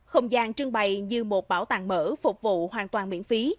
không gian trưng bày như một bảo tàng mở phục vụ hoàn toàn miễn phí